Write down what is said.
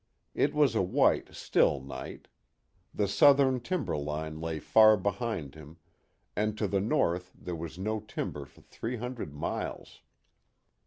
It was a white, still night. The southern timberline lay far behind him, and to the north there was no timber for three hundred miles.